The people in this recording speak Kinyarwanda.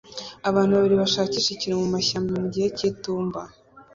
Abantu babiri bashakisha ikintu mumashyamba mugihe cyitumba